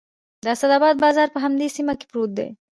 د سیدآباد بازار په همدې سیمه کې پروت دی.